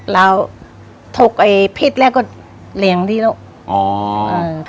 เราถูกไอ้พิษแรกก็เหลี่ยงดิลุก